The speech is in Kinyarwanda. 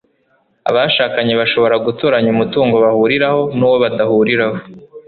abashakanye bashobora gutoranya umutungo bahuriraho n'uwo badahuriraho